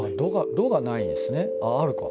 ドがないですねあるか。